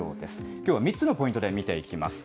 きょうは３つのポイントで見ていきます。